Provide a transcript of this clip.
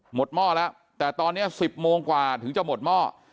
หม้อแล้วแต่ตอนนี้๑๐โมงกว่าถึงจะหมดหม้อ